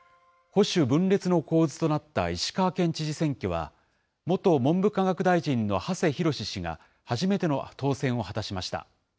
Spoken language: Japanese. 保守分裂の構図となった石川県知事選挙は、元文部科学大臣の馳浩氏が、初めての当選を果たしました。